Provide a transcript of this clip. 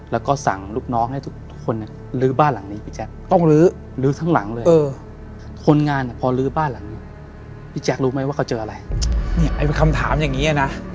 แล้วก็สั่งลูกน้องให้ทุกคนลื้อบ้านหลังนี้